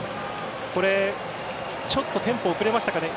ちょっとテンポ遅れましたかね？